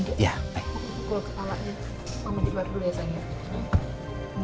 kul ke talanya mau dibuat beres aja